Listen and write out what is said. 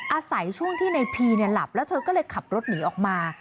อาศัยช่วงที่ในพีเนี่ยหลับแล้วเธอก็เลยขับรถหนีออกมา